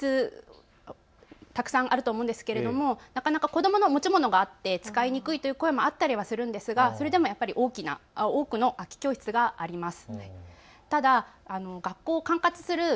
学校には普通教室がたくさんあると思うんですけれども、なかなか子どもの持ち物があって使いにくいという声もあったりはするんですがそれでもやっぱり多くの空き教室があります。